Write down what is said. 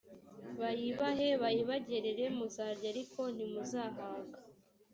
bayibahe bayibagerera muzarya ariko ntimuzahaga